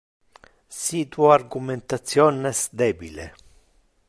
Si tu argumentation es debile.